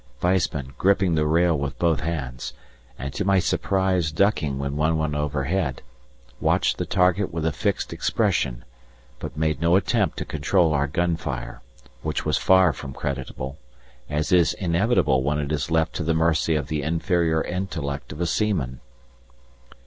Weissman, gripping the rail with both hands, and to my surprise ducking when one went overhead, watched the target with a fixed expression, but made no attempt to control our gun fire, which was far from creditable, as is inevitable when it is left to the mercy of the inferior intellect of a seaman.